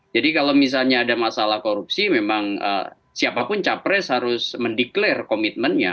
jadi kalau misalnya ada masalah korupsi memang siapapun capres harus mendeklar komitmennya